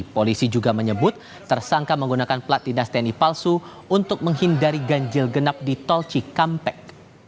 polisi juga menyebut tersangka menggunakan plat dinas tni palsu untuk menghindari ganjil genap di tol cikampek